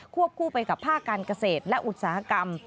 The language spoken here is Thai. คู่ไปกับภาคการเกษตรและอุตสาหกรรม